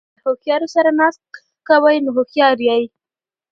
که له هوښیارو سره ناسته کوئ؛ نو هوښیار يې.